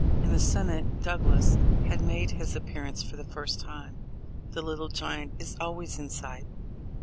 In the Senate Douglas had made his appearance for the first time. The Little Giant is always in sight